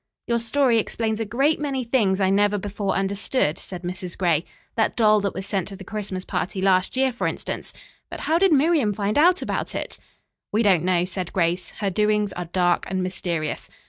"Your story explains a great many things I never before understood," said Mrs. Gray. "That doll that was sent to the Christmas party last year, for instance. But how did Miriam find out about it?" "We don't know," said Grace. "Her doings are dark and mysterious.